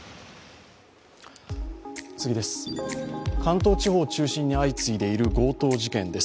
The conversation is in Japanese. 関東地方を中心に相次いでいる強盗事件です。